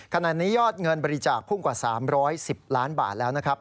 ขณะนี้ยอดเงินบริจาคพุ่งกว่า๓๑๐ล้านบาทแล้วนะครับ